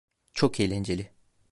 Çok eğlenceli.